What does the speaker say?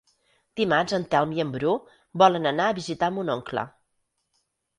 Dimarts en Telm i en Bru volen anar a visitar mon oncle.